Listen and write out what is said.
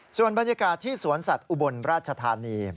ส่วนบรรยากาศที่สวนสัตว์อุบลราชธานี